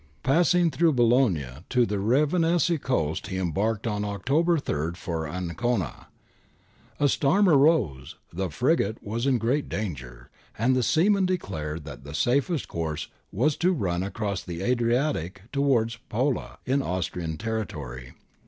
Passing through Bologna to the Ravennese coast he embarked on October 3 for Ancona.^ A storm arose, the frigate was in great danger, and the seamen declared that the safest course was to run across the Adriatic towards Pola in Austrian territory.